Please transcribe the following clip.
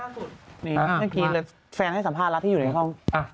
นี่นั่งกินแล้วแฟนให้สัมภาษณ์รับที่อยู่ในห้อง